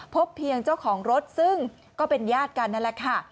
พบเพียงเจ้าของรถซึ่งก็เป็นญาติกันนั่นแหละค่ะ